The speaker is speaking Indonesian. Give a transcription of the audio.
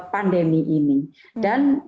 pandemi ini dan